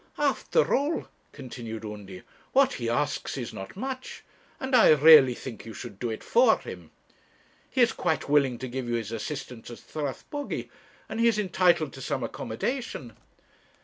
'After all,' continued Undy,' what he asks is not much, and I really think you should do it for him. He is quite willing to give you his assistance at Strathbogy, and he is entitled to some accommodation.'